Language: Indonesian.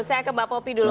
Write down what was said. saya ke mbak popi dulu